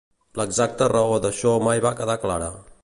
L'exacta raó d'això mai va quedar clara.